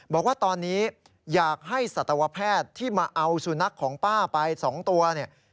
บอกว่าตอนนี้อยากให้สัตวแพทย์ที่มาเอาสุนัขของป้าไป๒ตัวเนี่ย